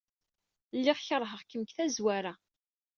Lliɣ keṛheɣ-kem deg tazwara.